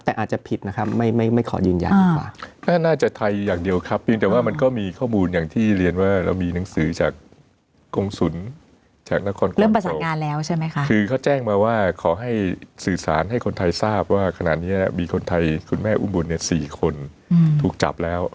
เท่าที่ทราบไม่ได้เข้ามาร่วมด้วยนะคะ